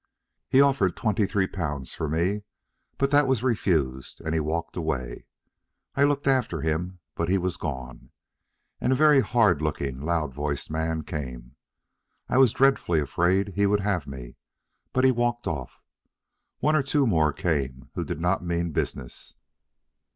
He offered twenty three pounds for me; but that was refused, and he walked away. I looked after him, but he was gone, and a very hard looking, loud voiced man came. I was dreadfully afraid he would have me; but he walked off. One or two more came who did not mean business.